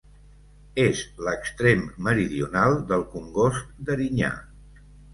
És l'extrem meridional del Congost d'Erinyà.